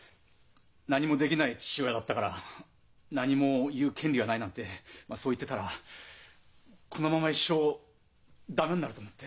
何もできない父親だったから何も言う権利はないなんてそう言ってたらこのまま一生駄目になると思って。